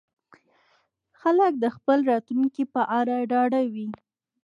خلک د خپل راتلونکي په اړه ډاډه وي.